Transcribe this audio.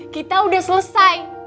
kita udah selesai